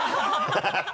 ハハハ